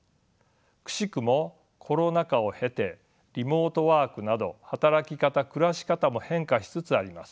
くしくもコロナ禍を経てリモートワークなど働き方暮らし方も変化しつつあります。